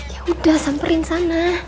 yaudah samperin sana